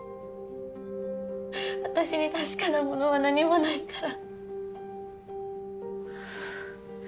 私に確かなものは何もないから。